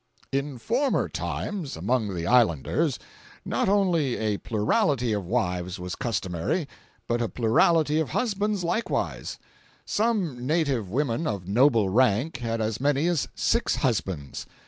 482.jpg (33K) In former times, among the Islanders, not only a plurality of wives was customary, but a plurality of husbands likewise. Some native women of noble rank had as many as six husbands.